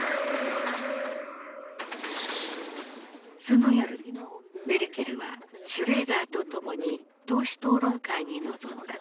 その夜メルケルはシュレーダーと共に党首討論会に臨んだ。